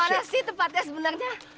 dimana sih tempatnya sebenarnya